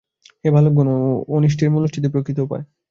হে বালকগণ, অনিষ্টের মূলোচ্ছেদই প্রকৃত উপায়।